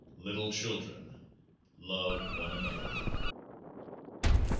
Little children, love one another